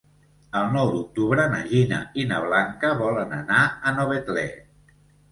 El nou d'octubre na Gina i na Blanca volen anar a Novetlè.